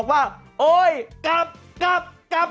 โอ้โหโอ้โห